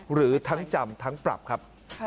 หรือทั้งจำทั้งปรับครับ